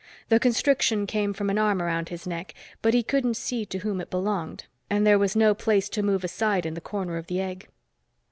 The constriction came from an arm around his neck, but he couldn't see to whom it belonged, and there was no place to move aside in the corner of the egg.